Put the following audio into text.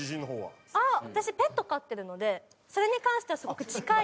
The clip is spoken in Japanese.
私ペット飼ってるのでそれに関してはすごく近い。